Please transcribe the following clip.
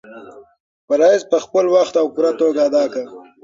فرایض په خپل وخت او پوره توګه ادا کړه.